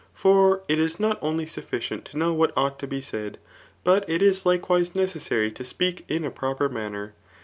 For it is not only sufficient to know what ought to be said, but it is hkewise necessary to (q)eak in a proper manner.